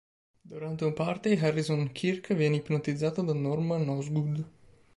Durante un party, Harrison Kirke viene ipnotizzato da Norman Osgood.